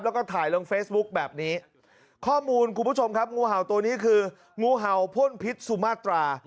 แล้วก็ถ่ายลงเฟซบุ๊คแบบนี้ข้อมูลคุณผู้ชมครับงูเห่าตัวนี้คืองูเห่าพ่นพิษสุมาตรา